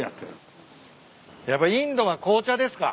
やっぱインドは紅茶ですか。